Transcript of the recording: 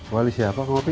wali siapa pak wapi